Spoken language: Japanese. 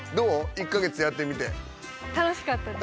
１か月やってみて楽しかったです